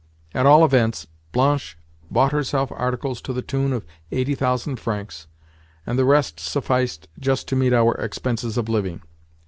At all events, Blanche bought herself articles to the tune of eighty thousand francs, and the rest sufficed just to meet our expenses of living.